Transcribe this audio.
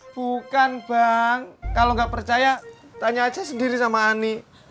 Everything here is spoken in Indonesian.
bukan bang kalau nggak percaya tanya aja sendiri sama ani